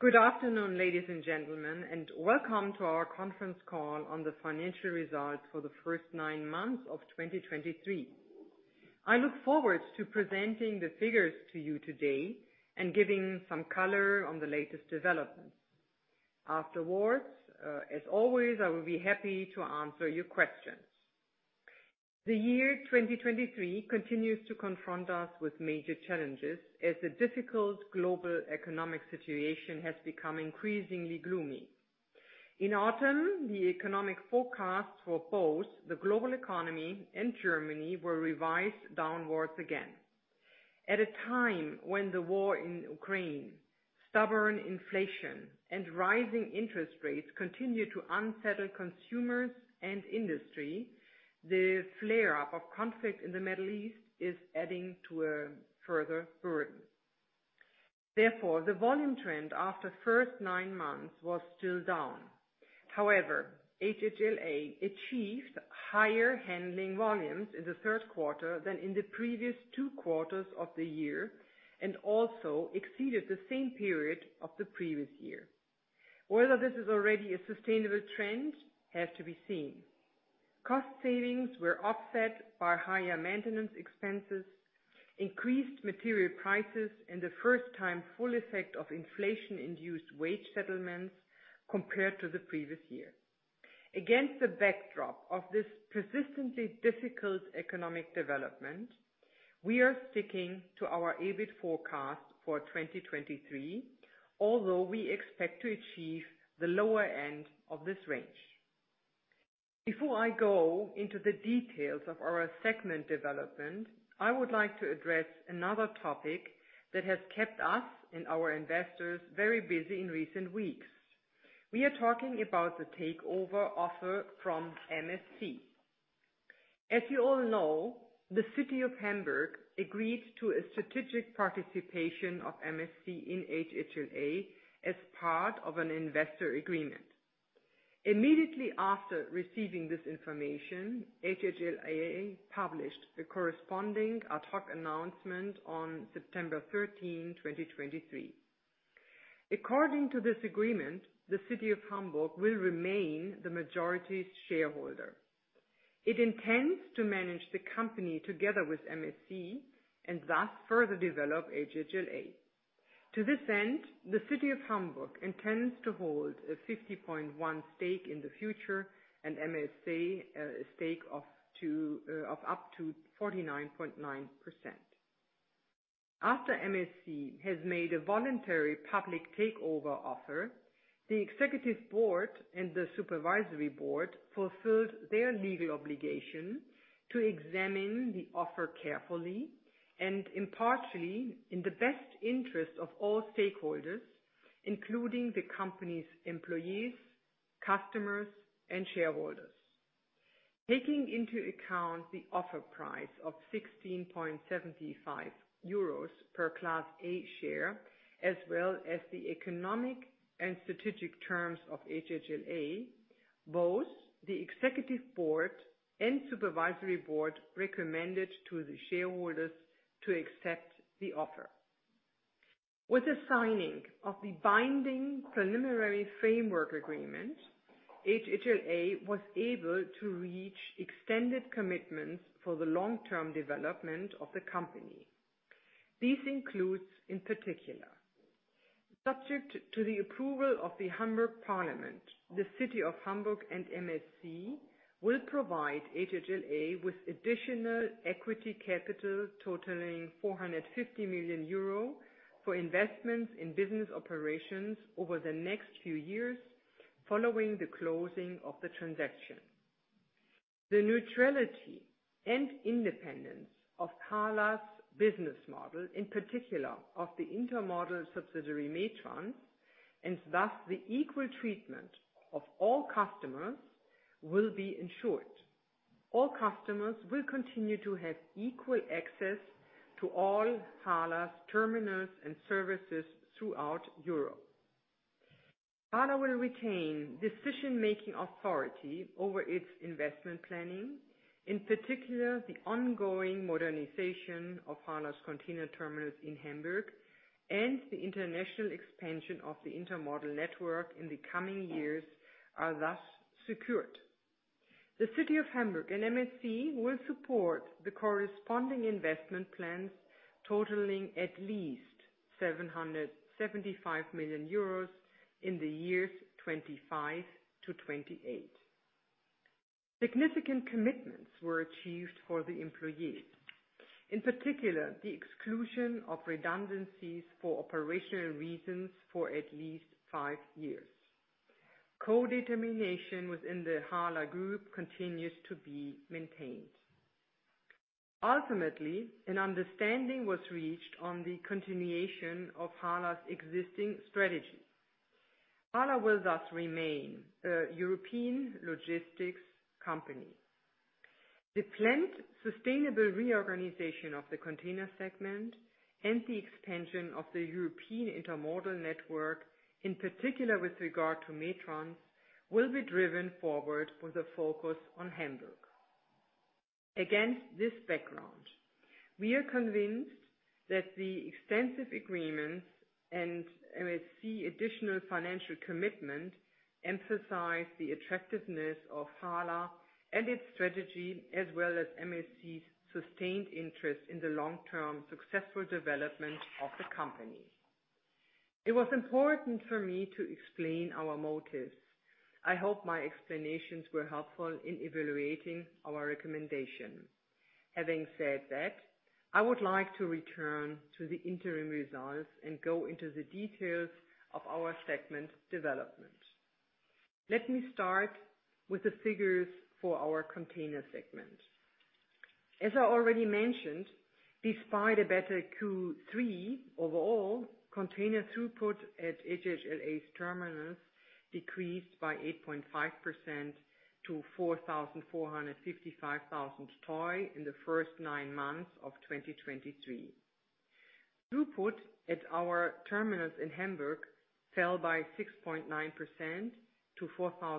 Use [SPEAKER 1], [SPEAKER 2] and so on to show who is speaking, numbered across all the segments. [SPEAKER 1] Good afternoon, ladies and gentlemen, and welcome to our conference call on the financial results for the first 9 months of 2023. I look forward to presenting the figures to you today and giving some color on the latest developments. Afterwards, as always, I will be happy to answer your questions. The year 2023 continues to confront us with major challenges, as the difficult global economic situation has become increasingly gloomy. In autumn, the economic forecasts for both the global economy and Germany were revised downwards again. At a time when the war in Ukraine, stubborn inflation and rising interest rates continue to unsettle consumers and industry, the flare-up of conflict in the Middle East is adding to a further burden. Therefore, the volume trend after first 9 months was still down. However, HHLA achieved higher handling volumes in the third quarter than in the previous two quarters of the year, and also exceeded the same period of the previous year. Whether this is already a sustainable trend, has to be seen. Cost savings were offset by higher maintenance expenses, increased material prices, and the first time full effect of inflation-induced wage settlements compared to the previous year. Against the backdrop of this persistently difficult economic development, we are sticking to our EBIT forecast for 2023, although we expect to achieve the lower end of this range. Before I go into the details of our segment development, I would like to address another topic that has kept us and our investors very busy in recent weeks. We are talking about the takeover offer from MSC. As you all know, the City of Hamburg agreed to a strategic participation of MSC in HHLA as part of an investor agreement. Immediately after receiving this information, HHLA published the corresponding ad hoc announcement on September 13, 2023. According to this agreement, the City of Hamburg will remain the majority shareholder. It intends to manage the company together with MSC, and thus further develop HHLA. To this end, the City of Hamburg intends to hold a 50.1 stake in the future, and MSC a stake of up to 49.9%. After MSC has made a voluntary public takeover offer, the executive board and the supervisory board fulfilled their legal obligation to examine the offer carefully and impartially in the best interest of all stakeholders, including the company's employees, customers, and shareholders. Taking into account the offer price of 16.75 euros per Class A share, as well as the economic and strategic terms of HHLA, both the executive board and supervisory board recommended to the shareholders to accept the offer. With the signing of the binding preliminary framework agreement, HHLA was able to reach extended commitments for the long-term development of the company. This includes, in particular, subject to the approval of the Hamburg Parliament, the City of Hamburg and MSC will provide HHLA with additional equity capital totaling 450 million euro for investments in business operations over the next few years following the closing of the transaction. The neutrality and independence of HHLA's business model, in particular, of the intermodal subsidiary, METRANS, and thus the equal treatment of all customers, will be ensured. All customers will continue to have equal access to all HHLA's terminals and services throughout Europe. HHLA will retain decision-making authority over its investment planning. In particular, the ongoing modernization of HHLA's container terminals in Hamburg and the international expansion of the intermodal network in the coming years are thus secured. The City of Hamburg and MSC will support the corresponding investment plans, totaling at least 775 million euros in the years 2025-2028. Significant commitments were achieved for the employees. In particular, the exclusion of redundancies for operational reasons for at least five years. Co-determination within the HHLA Group continues to be maintained. Ultimately, an understanding was reached on the continuation of HHLA's existing strategy. HHLA will thus remain a European logistics company. The planned sustainable reorganization of the container segment and the expansion of the European intermodal network, in particular with regard to METRANS, will be driven forward with a focus on Hamburg.... Against this background, we are convinced that the extensive agreements and MSC additional financial commitment emphasize the attractiveness of HHLA and its strategy, as well as MSC's sustained interest in the long-term successful development of the company. It was important for me to explain our motives. I hope my explanations were helpful in evaluating our recommendation. Having said that, I would like to return to the interim results and go into the details of our segment development. Let me start with the figures for our container segment. As I already mentioned, despite a better Q3 overall, container throughput at HHLA's terminals decreased by 8.5% to 4,455,000 TEU in the first nine months of 2023. Throughput at our terminals in Hamburg fell by 6.9% to 4,286,000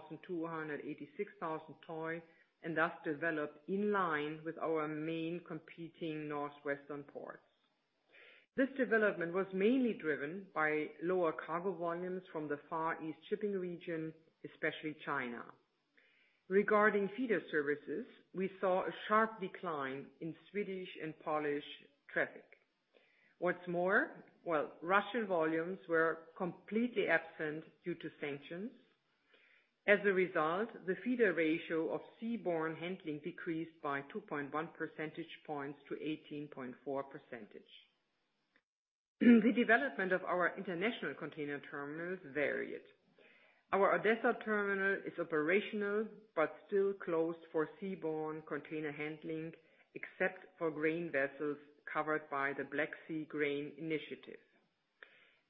[SPEAKER 1] TEU, and thus developed in line with our main competing northwestern ports. This development was mainly driven by lower cargo volumes from the Far East shipping region, especially China. Regarding feeder services, we saw a sharp decline in Swedish and Polish traffic. What's more, well, Russian volumes were completely absent due to sanctions. As a result, the feeder ratio of seaborne handling decreased by 2.1 percentage points to 18.4%. The development of our international container terminals varied. Our Odessa terminal is operational, but still closed for seaborne container handling, except for grain vessels covered by the Black Sea Grain Initiative.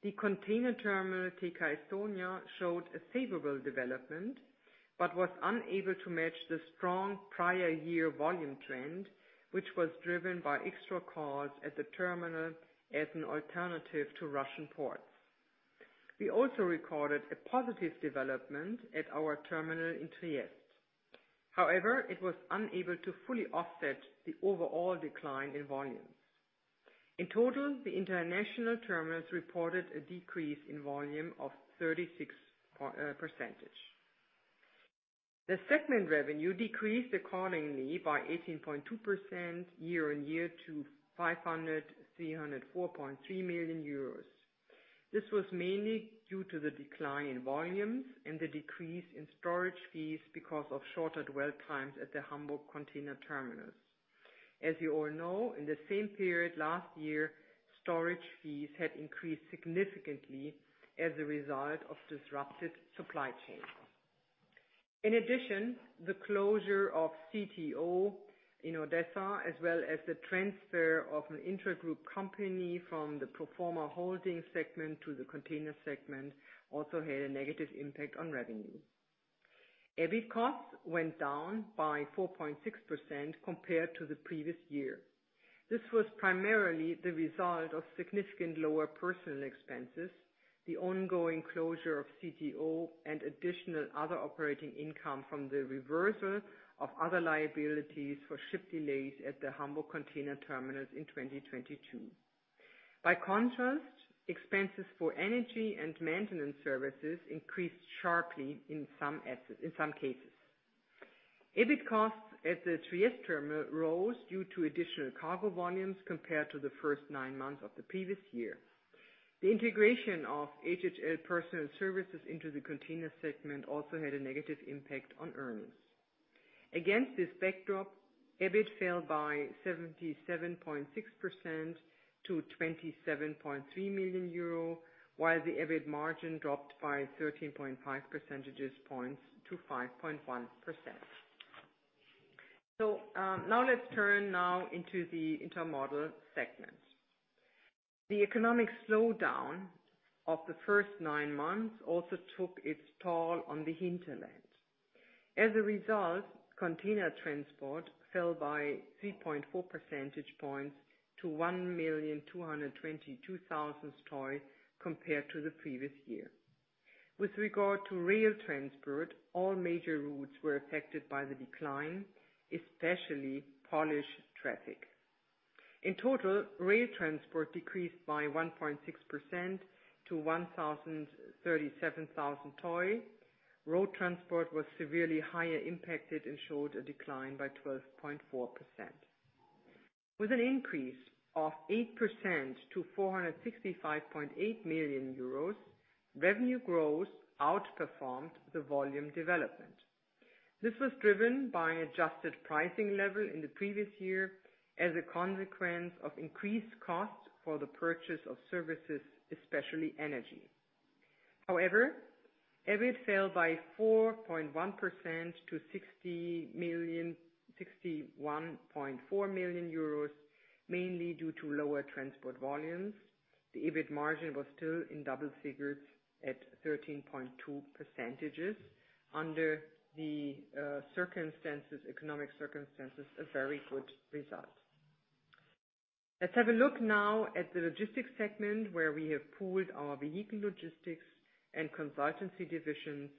[SPEAKER 1] The container terminal, TK Estonia, showed a favorable development, but was unable to match the strong prior year volume trend, which was driven by extra cars at the terminal as an alternative to Russian ports. We also recorded a positive development at our terminal in Trieste. However, it was unable to fully offset the overall decline in volumes. In total, the international terminals reported a decrease in volume of 36%. The segment revenue decreased accordingly by 18.2% year-on-year to 534.3 million euros. This was mainly due to the decline in volumes and the decrease in storage fees because of shorter dwell times at the Hamburg container terminals. As you all know, in the same period last year, storage fees had increased significantly as a result of disrupted supply chains. In addition, the closure of CTO in Odessa, as well as the transfer of an intragroup company from the pro forma holding segment to the container segment, also had a negative impact on revenue. EBIT costs went down by 4.6% compared to the previous year. This was primarily the result of significant lower personal expenses, the ongoing closure of CTO, and additional other operating income from the reversal of other liabilities for ship delays at the Hamburg container terminals in 2022. By contrast, expenses for energy and maintenance services increased sharply in some assets, in some cases. EBIT costs at the Trieste terminal rose due to additional cargo volumes compared to the first nine months of the previous year. The integration of HHLA personnel services into the container segment also had a negative impact on earnings. Against this backdrop, EBIT fell by 77.6% to 27.3 million euro, while the EBIT margin dropped by 13.5 percentage points to 5.1%. So, now let's turn now into the intermodal segment. The economic slowdown of the first nine months also took its toll on the hinterland. As a result, container transport fell by 3.4 percentage points to 1,222,000 TEUs compared to the previous year. With regard to rail transport, all major routes were affected by the decline, especially Polish traffic. In total, rail transport decreased by 1.6% to 1,037,000 TEU. Road transport was severely higher impacted and showed a decline by 12.4%. With an increase of 8% to 465.8 million euros, revenue growth outperformed the volume development. This was driven by an adjusted pricing level in the previous year as a consequence of increased costs for the purchase of services, especially energy. However, EBIT fell by 4.1% to 61.4 million euros, mainly due to lower transport volumes. The EBIT margin was still in double figures at 13.2%. Under the economic circumstances, a very good result. Let's have a look now at the logistics segment, where we have pooled our vehicle logistics and consultancy divisions,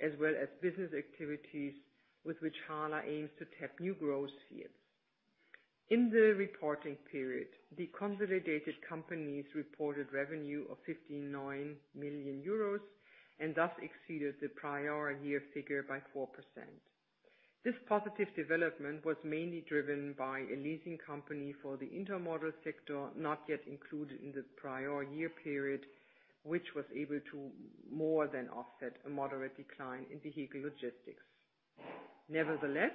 [SPEAKER 1] as well as business activities with which HHLA aims to tap new growth fields. In the reporting period, the consolidated companies reported revenue of 59 million euros, and thus exceeded the prior year figure by 4%. This positive development was mainly driven by a leasing company for the intermodal sector, not yet included in the prior year period, which was able to more than offset a moderate decline in vehicle logistics. Nevertheless,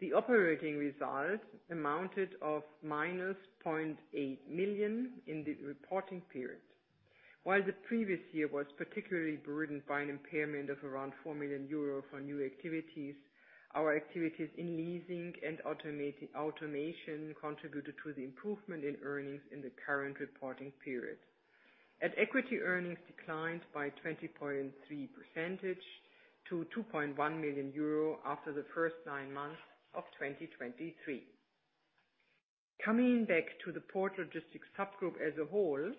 [SPEAKER 1] the operating results amounted to -0.8 million in the reporting period. While the previous year was particularly burdened by an impairment of around 4 million euro for new activities, our activities in leasing and automation contributed to the improvement in earnings in the current reporting period. At equity, earnings declined by 20.3% to 2.1 million euro after the first nine months of 2023. Coming back to the Port Logistics subgroup as a whole,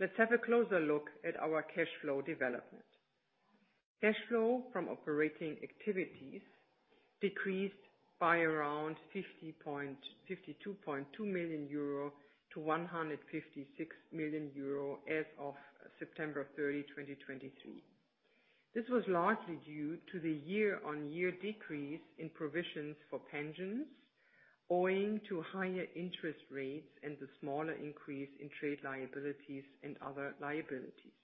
[SPEAKER 1] let's have a closer look at our cash flow development. Cash flow from operating activities decreased by around 52.2 million euro to 156 million euro as of September 30, 2023. This was largely due to the year-on-year decrease in provisions for pensions, owing to higher interest rates and the smaller increase in trade liabilities and other liabilities.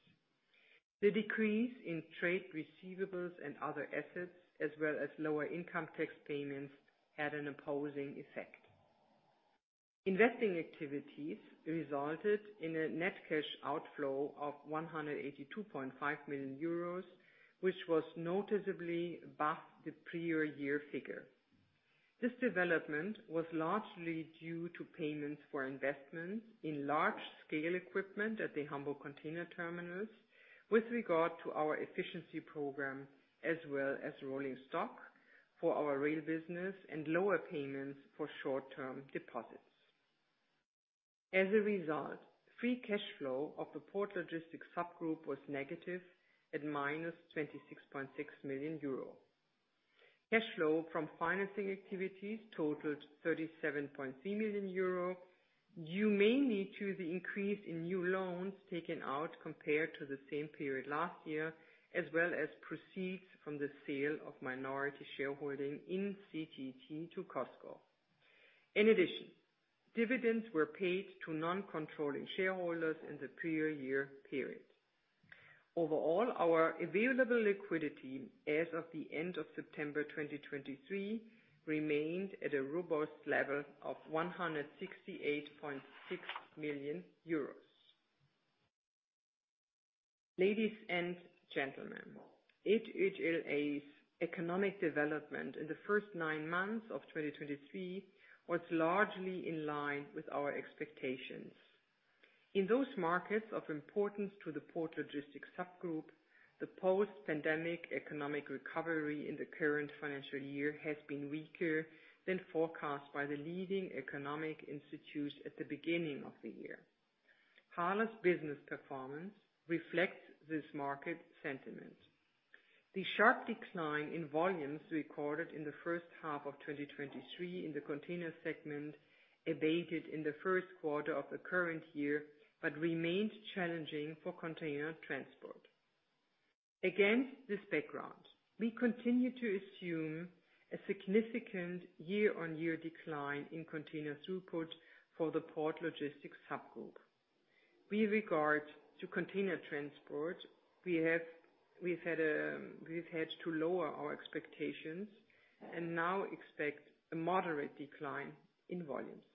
[SPEAKER 1] The decrease in trade receivables and other assets, as well as lower income tax payments, had an opposing effect. Investing activities resulted in a net cash outflow of 182.5 million euros, which was noticeably above the prior year figure. This development was largely due to payments for investments in large-scale equipment at the Hamburg container terminals with regard to our efficiency program, as well as rolling stock for our rail business and lower payments for short-term deposits. As a result, free cash flow of the Port Logistics subgroup was negative, at -26.6 million euro. Cash flow from financing activities totaled 37.3 million euro, due mainly to the increase in new loans taken out compared to the same period last year, as well as proceeds from the sale of minority shareholding in CTT to COSCO. In addition, dividends were paid to non-controlling shareholders in the prior year period. Overall, our available liquidity as of the end of September 2023 remained at a robust level of 168.6 million euros. Ladies and gentlemen, HHLA's economic development in the first nine months of 2023 was largely in line with our expectations. In those markets of importance to the port logistics subgroup, the post-pandemic economic recovery in the current financial year has been weaker than forecast by the leading economic institutes at the beginning of the year. HHLA's business performance reflects this market sentiment. The sharp decline in volumes recorded in the first half of 2023 in the container segment abated in the first quarter of the current year, but remained challenging for container transport. Against this background, we continue to assume a significant year-on-year decline in container throughput for the port logistics subgroup. With regard to container transport, we've had to lower our expectations and now expect a moderate decline in volumes.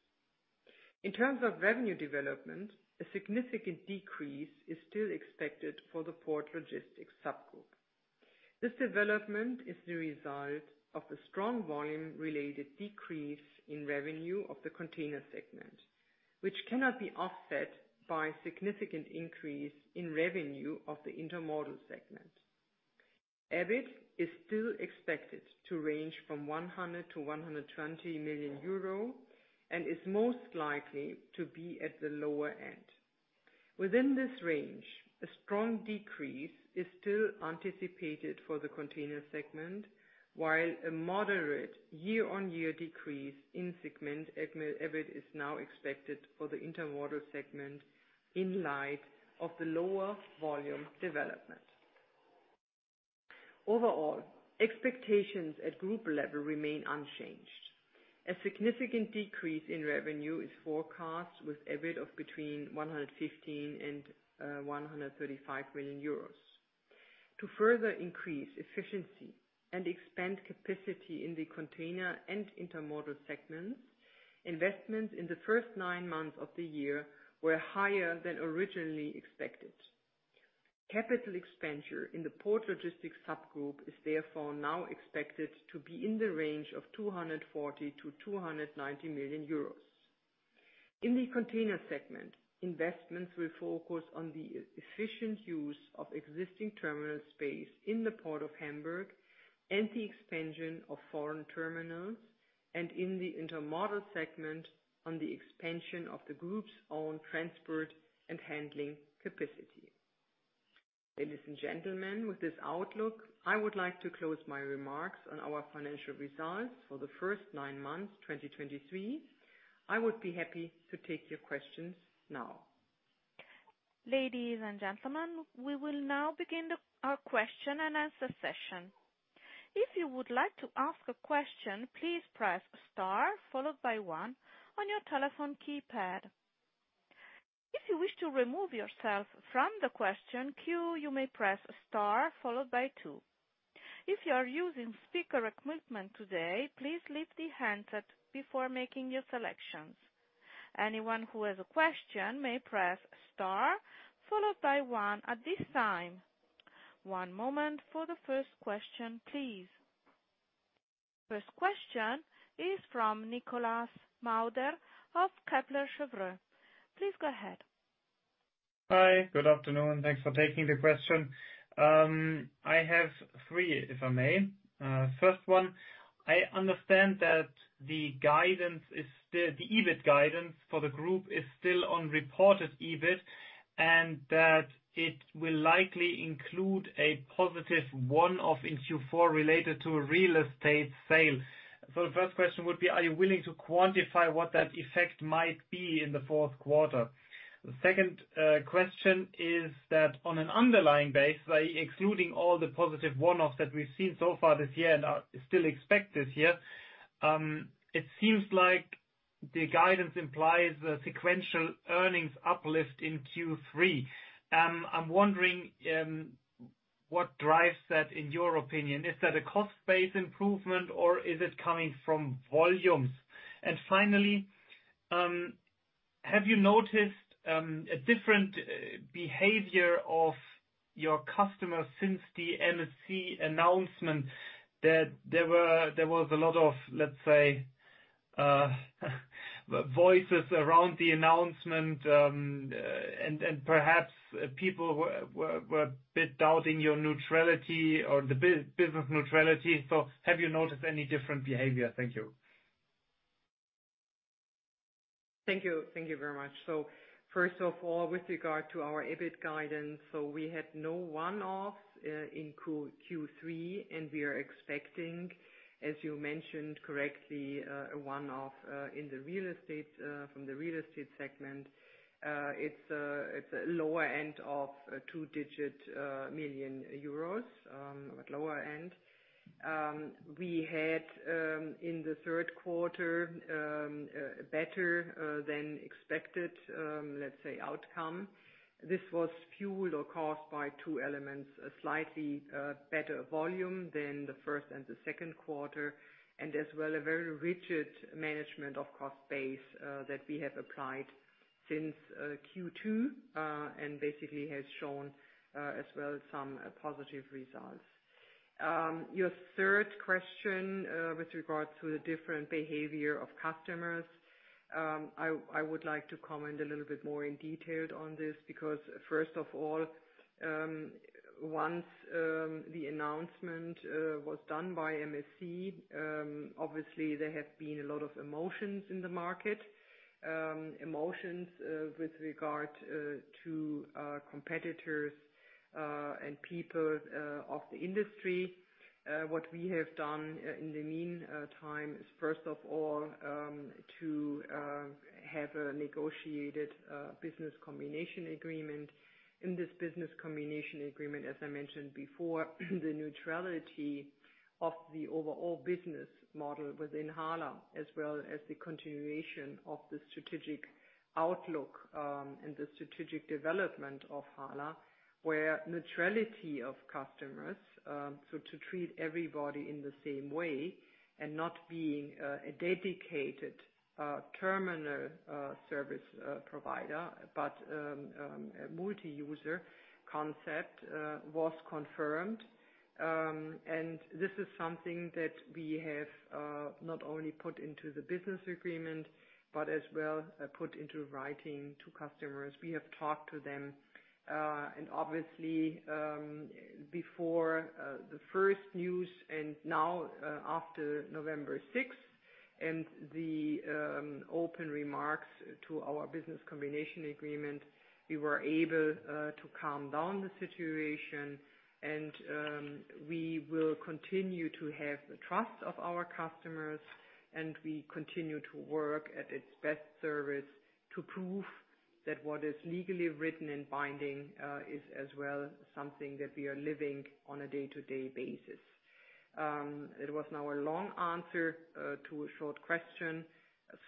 [SPEAKER 1] In terms of revenue development, a significant decrease is still expected for the port logistics subgroup. This development is the result of the strong volume-related decrease in revenue of the container segment, which cannot be offset by significant increase in revenue of the intermodal segment. EBIT is still expected to range from 100 million-120 million euro, and is most likely to be at the lower end. Within this range, a strong decrease is still anticipated for the container segment, while a moderate year-on-year decrease in segment EBIT is now expected for the intermodal segment in light of the lower volume development. Overall, expectations at group level remain unchanged. A significant decrease in revenue is forecast, with EBIT of between 115 million-135 million euros. To further increase efficiency and expand capacity in the container and intermodal segments, investments in the first 9 months of the year were higher than originally expected. Capital expenditure in the port logistics subgroup is therefore now expected to be in the range of 240 million-290 million euros. In the container segment, investments will focus on the efficient use of existing terminal space in the port of Hamburg and the expansion of foreign terminals, and in the intermodal segment, on the expansion of the group's own transport and handling capacity. Ladies and gentlemen, with this outlook, I would like to close my remarks on our financial results for the first nine months, 2023. I would be happy to take your questions now.
[SPEAKER 2] Ladies and gentlemen, we will now begin our question-and-nswer session. If you would like to ask a question, please press star followed by one on your telephone keypad. If you wish to remove yourself from the question queue, you may press star followed by two. If you are using speaker equipment today, please leave the handset before making your selections. Anyone who has a question may press star followed by one at this time. One moment for the first question, please. First question is from Nikolas Mauder of Kepler Cheuvreux. Please go ahead.
[SPEAKER 3] Hi, good afternoon, and thanks for taking the question. I have three, if I may. First one, I understand that the guidance is still, the EBIT guidance for the group is still on reported EBIT, and that it will likely include a positive one-off in Q4 related to a real estate sale. So the first question would be, are you willing to quantify what that effect might be in the fourth quarter? The second question is that on an underlying basis, by excluding all the positive one-offs that we've seen so far this year and are still expected here, it seems like the guidance implies a sequential earnings uplift in Q3. I'm wondering, what drives that, in your opinion? Is that a cost-based improvement, or is it coming from volumes? Finally, have you noticed a different behavior of your customers since the MSC announcement, that there was a lot of, let's say, voices around the announcement, and perhaps people were a bit doubting your neutrality or the business neutrality. So have you noticed any different behavior? Thank you.
[SPEAKER 1] Thank you. Thank you very much. So first of all, with regard to our EBIT guidance, so we had no one-offs in Q3, and we are expecting, as you mentioned correctly, a one-off in the real estate from the real estate segment. It's a lower end of a two-digit million EUR, but lower end. We had in the third quarter better than expected, let's say, outcome. This was fueled or caused by two elements, a slightly better volume than the first and the second quarter, and as well, a very rigid management of cost base that we have applied since Q2, and basically has shown as well some positive results. Your third question, with regard to the different behavior of customers, I would like to comment a little bit more in detail on this, because first of all, once the announcement was done by MSC, obviously there have been a lot of emotions in the market. Emotions, with regard to our competitors, and people of the industry. What we have done, in the meantime, is, first of all, to have a negotiated business combination agreement. In this business combination agreement, as I mentioned before, the neutrality of the overall business model within HHLA, as well as the continuation of the strategic outlook, and the strategic development of HHLA, where neutrality of customers, so to treat everybody in the same way and not being a dedicated terminal service provider, but a multi-user concept, was confirmed. And this is something that we have not only put into the business agreement, but as well put into writing to customers. We have talked to them, and obviously, before the first news and now, after November sixth, and the open remarks to our business combination agreement, we were able to calm down the situation. We will continue to have the trust of our customers, and we continue to work at its best service to prove that what is legally written and binding is as well something that we are living on a day-to-day basis. It was now a long answer to a short question.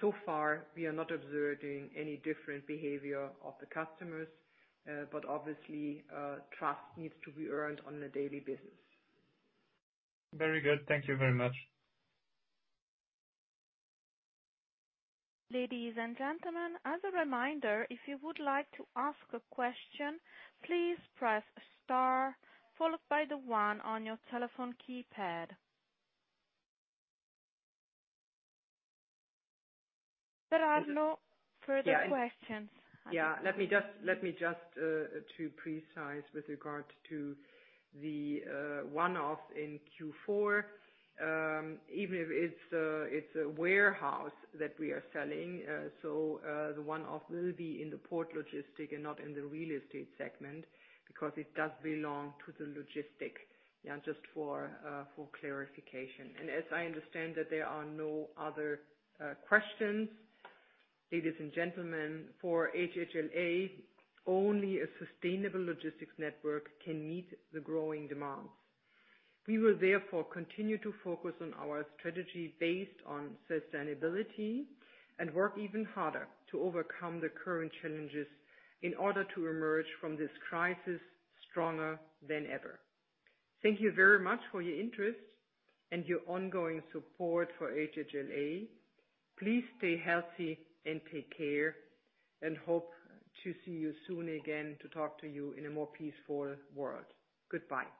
[SPEAKER 1] So far, we are not observing any different behavior of the customers, but obviously trust needs to be earned on a daily basis.
[SPEAKER 3] Very good. Thank you very much.
[SPEAKER 2] Ladies and gentlemen, as a reminder, if you would like to ask a question, please press star followed by the one on your telephone keypad. There are no further questions.
[SPEAKER 1] Yeah. Let me just to be precise with regard to the one-off in Q4. Even if it's a warehouse that we are selling, so the one-off will be in the port logistics and not in the real estate segment, because it does belong to the logistics. Yeah, just for clarification. And as I understand that there are no other questions, ladies and gentlemen, for HHLA, only a sustainable logistics network can meet the growing demands. We will therefore continue to focus on our strategy based on sustainability and work even harder to overcome the current challenges in order to emerge from this crisis stronger than ever. Thank you very much for your interest and your ongoing support for HHLA. Please stay healthy and take care, and hope to see you soon again to talk to you in a more peaceful world. Goodbye.